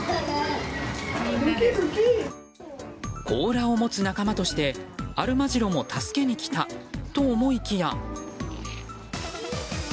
甲羅を持つ仲間としてアルマジロも助けに来たと思いきや。